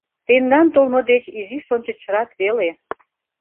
- Тендан толмо деч изиш ончычрак веле...